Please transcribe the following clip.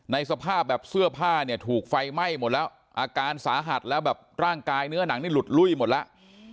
สภาพแบบเสื้อผ้าเนี่ยถูกไฟไหม้หมดแล้วอาการสาหัสแล้วแบบร่างกายเนื้อหนังนี่หลุดลุ้ยหมดแล้ว